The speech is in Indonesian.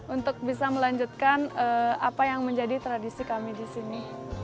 untuk bisa melanjutkan apa yang menjadi tradisi kami di sini